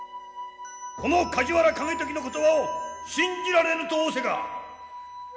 この梶原景時の言葉を信じられぬと仰せか！